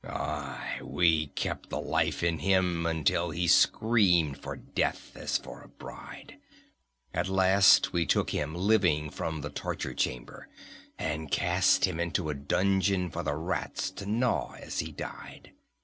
"Aye, we kept the life in him until he screamed for death as for a bride. At last we took him living from the torture chamber and cast him into a dungeon for the rats to gnaw as he died.